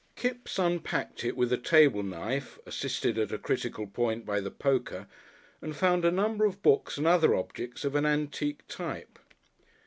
Kipps unpacked it with a table knife, assisted at a critical point by the poker, and found a number of books and other objects of an antique type.